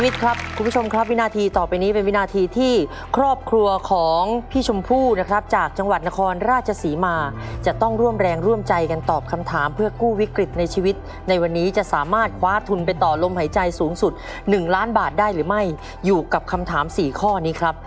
คุณผู้ชมครับวินาทีต่อไปนี้เป็นวินาทีที่ครอบครัวของพี่ชมพู่นะครับจากจังหวัดนครราชศรีมาจะต้องร่วมแรงร่วมใจกันตอบคำถามเพื่อกู้วิกฤตในชีวิตในวันนี้จะสามารถคว้าทุนไปต่อลมหายใจสูงสุด๑ล้านบาทได้หรือไม่อยู่กับคำถาม๔ข้อนี้ครับ